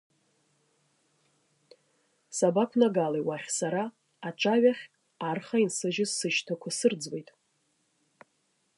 Сабақәнагалеи уахь сара, аҿаҩахь, арха инсыжьыз сышьҭақәа сырӡуеит.